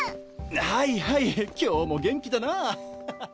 はいはい今日も元気だなあ。ハハハ。